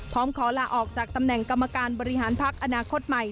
ขอลาออกจากตำแหน่งกรรมการบริหารพักอนาคตใหม่